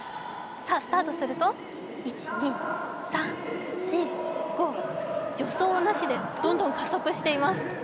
さあ、スタートすると、１、２、３助走なしでどんどん加速しています。